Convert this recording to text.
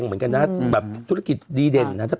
เพราะมันเป็นธุรกิจว่าดาวแดงเหมือนกันนะ